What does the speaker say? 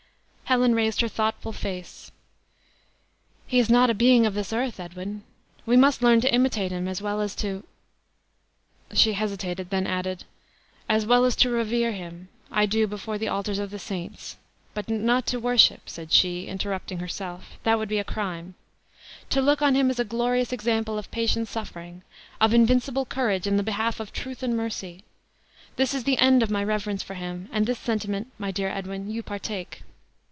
Helen raised her thoughtful face. "He is not a being of this earth, Edwin. We must learn to imitate him, as well as to " She hesitated, then added, "As well as to revere him, I do before the altars of the saints. But not to worship," said she, interrupting herself; "that would be a crime. To look on him as a glorious example of patient suffering of invincible courage in the behalf of truth and mercy! This is the end of my reverence for him, and this sentiment, my dear Edwin, you partake."